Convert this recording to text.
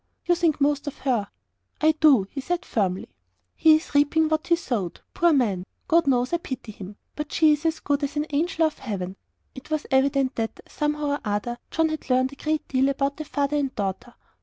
"You think most of her." "I do," said he, firmly. "He is reaping what he sowed, poor man! God knows I pity him. But she is as good as an angel of heaven." It was evident that, somehow or other, John had learnt a great deal about the father and daughter.